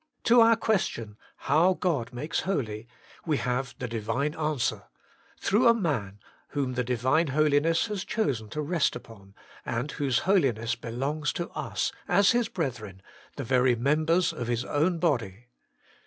To our question, How God makes holy, we have the Divine answer : Through a man whom the Divine Holiness has chosen to rest upon, and whose holiness belongs to us, as His brethren, the very members of His own body.